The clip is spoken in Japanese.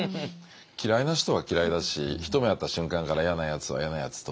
嫌いな人は嫌いだし一目会った瞬間から嫌なやつは嫌なやつと思うんですけど。